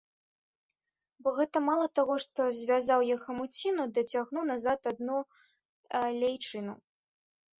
Бо гэта мала таго, што звязаў я хамуціну ды адцягнуў назад адну ляйчыну.